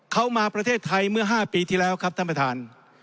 เขามาประเทศไทยเมื่อ๕ปีที่แล้วครับท่านประธาน